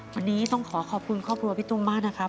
วันนี้ต้องขอขอบคุณครอบครัวพี่ตุ้มมากนะครับ